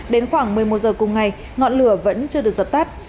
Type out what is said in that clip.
đến khoảng một mươi một h cùng ngày ngọn lửa vẫn chưa được dập tắt